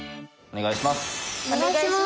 お願いします。